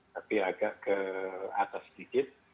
tapi agak ke atas sedikit